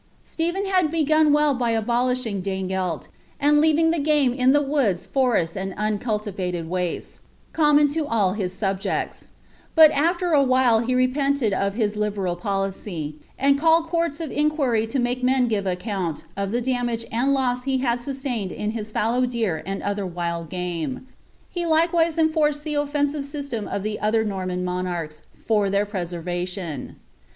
Stephen had begun well by abolnhing dane ge1t,aDd leaving the game in the woods, forests, and uncultivated watts, common to all his sunjects ; but afler awhile he repented of hia libeal policy, and called courts of inquiry lo moke men give occohqi of iht damage and loss he had sustained in his fallow deer and other wild game; he likewise enforced the offensive syaleni of the other KomuB monarcha for iheir preservation.